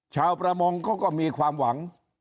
ชาวประมงเขาก็มีความหวัง